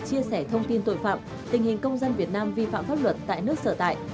chia sẻ thông tin tội phạm tình hình công dân việt nam vi phạm pháp luật tại nước sở tại